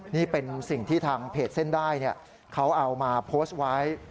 นี่เป็นสิ่งที่ทางเพจเส้นได้เขาเอามาโพสต์ไว้